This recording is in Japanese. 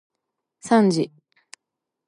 さんじ